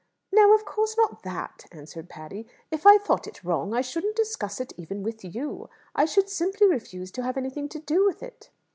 "No; of course not that," answered Patty. "If I thought it wrong, I shouldn't discuss it even with you. I should simply refuse to have anything to do with it."